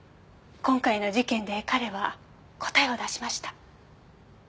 今回の事件で彼は答えを出しました。